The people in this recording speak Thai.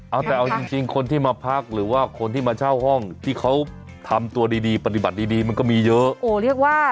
เอาแต่เอาจริงคนที่มาพักหรือว่าคนที่มาเช่าห้องที่เขาทำตัวดีปฏิบัติดีมันก็มีเยอะ